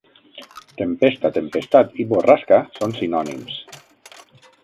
Tempesta, tempestat i borrasca són sinònims.